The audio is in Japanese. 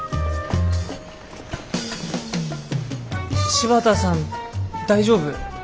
柴田さん大丈夫？